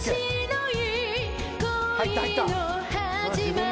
入った、入った。